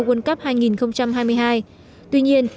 world cup hai nghìn hai mươi hai tuy nhiên